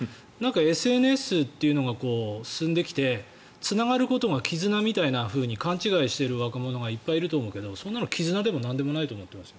ＳＮＳというのが進んできてつながることが絆みたいなふうに勘違いしている若者がいっぱいいると思うけどそれは絆でもなんでもないと思います。